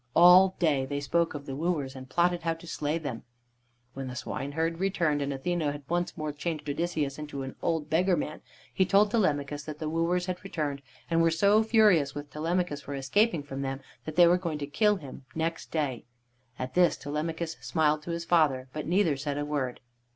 All day they spoke of the wooers and plotted how to slay them. When the swineherd returned, and Athene had once more changed Odysseus into an old beggar man, he told Telemachus that the wooers had returned, and were so furious with Telemachus for escaping from them, that they were going to kill him next day. At this Telemachus smiled to his father, but neither said a word.